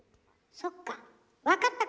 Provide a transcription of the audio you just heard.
そっか分かったかも！